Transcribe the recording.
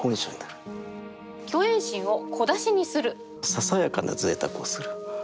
ささやかなぜいたくをする。